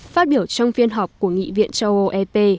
phát biểu trong phiên họp của nghị viện châu âu ep